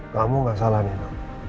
kamu gak salah nih kamu